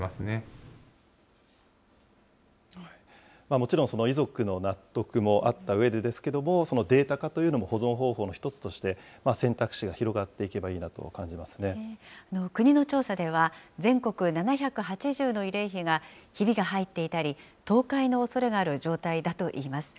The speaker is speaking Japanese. もちろん、遺族の納得もあったうえでですけれども、そのデータ化というのも保存方法の一つとして選択肢が広がってい国の調査では、全国７８０の慰霊碑がひびが入っていたり、倒壊のおそれがある状態だといいます。